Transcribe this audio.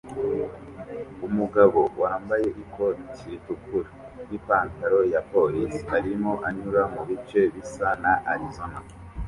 Umugabo wambaye ikoti ritukura nipantaro ya policei arimo anyura mubice bisa na Arizona